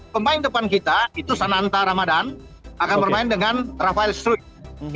dua pemain depan kita itu sananta ramadhan akan bermain dengan rafael struyck